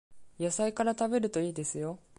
野菜から食べるといいですよ